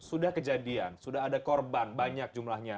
sudah kejadian sudah ada korban banyak jumlahnya